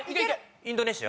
インドネシア？